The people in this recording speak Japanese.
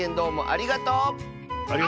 ありがとう！